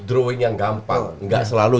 drawing yang gampang nggak selalu